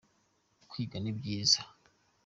kwiga nibyiza